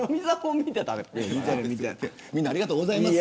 みんなありがとうございます。